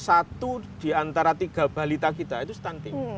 itu diantara tiga balita kita itu stunting